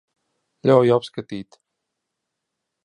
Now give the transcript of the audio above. Ļauj apskatīt.